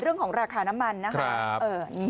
เรื่องของราคาน้ำมันนะคะ